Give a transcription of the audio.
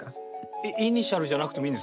えイニシャルじゃなくてもいいんですか。